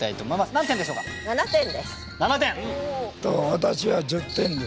私は１０点です。